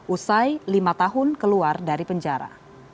usai lima tahun keluar dari penjara